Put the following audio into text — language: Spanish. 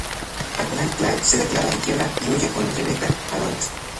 Al final, Clay se declara en quiebra y huye con Rebecca a Londres.